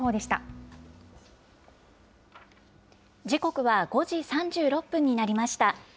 時刻は５時３６分になりました。